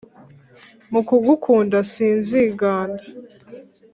Mu kugukunda sinziganda!!